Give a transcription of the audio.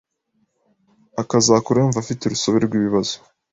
akazakura yumva afite urusobe rw’ibibazo.